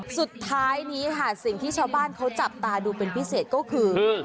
สุดท้ายนี้ค่ะสิ่งที่ชาวบ้านเขาจับตาดูเป็นพิเศษก็คือ